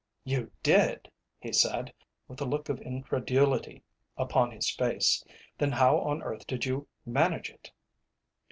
"You did," he said, with a look of incredulity upon his face. "Then how on earth did you manage it?"